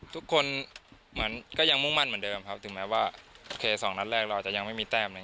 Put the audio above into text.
ทุกคนเหมือนก็ยังมุ่งมั่นเหมือนเดิมครับถึงแม้ว่าเคสองนัดแรกเราอาจจะยังไม่มีแต้มเลย